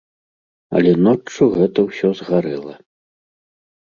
Але ноччу гэта ўсё згарэла.